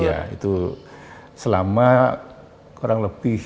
iya itu selama kurang lebih